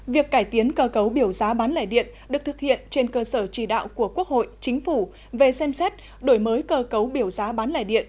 việc cải tiến cơ cấu biểu giá bán lẻ điện được thực hiện trên cơ sở trì đạo của quốc hội chính phủ về xem xét đổi mới cơ cấu biểu giá bán lẻ điện